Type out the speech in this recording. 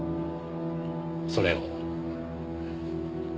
それを。